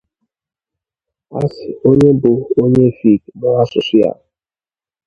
a sị onye bụ onye Efik mụọ asụsụ ya